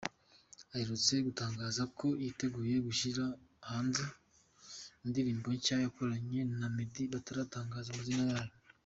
Aherutse gutangaza ko yitegura gushyira hanze indirimbo nshya yakoranye na Meddy bataratangaza amazina yayo.